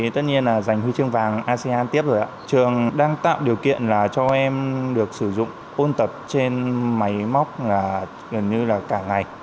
trường đang tạo điều kiện cho em được sử dụng ôn tập trên máy móc gần như cả ngày